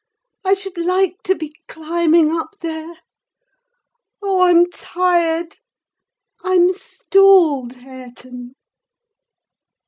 I should like to be climbing up there! Oh! I'm tired—I'm stalled, Hareton!"